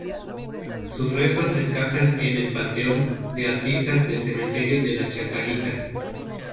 Sus restos descansan en el panteón de artistas del Cementerio de la Chacarita.